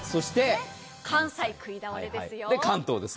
関西、食いだおれですよ。